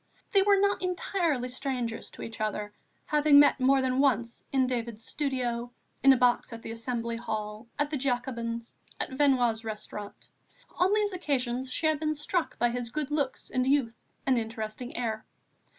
They were not entirely strangers to each other, having met more than once in David's studio, in a box at the Assembly Hall, at the Jacobins, at Venua's restaurant. On these occasions she had been struck by his good looks and youth and interesting air.